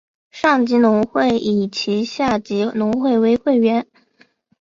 上级农会以其下级农会为会员。